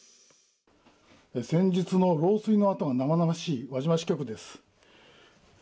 先日の漏水の跡が生々しい輪島支局です。